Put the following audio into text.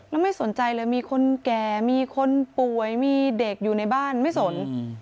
แล้วไม่สนใจเลยมีคนแก่มีคนป่วยมีเด็กอยู่ในบ้านไม่สน